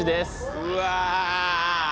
うわ。